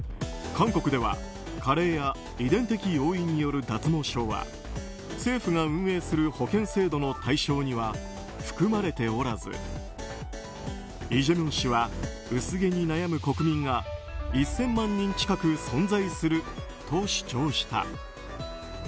韓国では加齢や遺伝的要因による脱毛症は政府が運営する保険制度の対象には含まれておらずイ・ジェミョン氏は薄毛に悩む国民が１０００万人近く存在すると主張した。